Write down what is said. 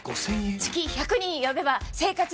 月１００人呼べば生活できる！